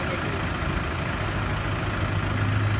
พร้อมต่ำยาว